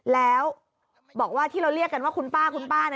แล้วบอกว่าที่เราเรียกกันว่าคุณป้าคุณป้า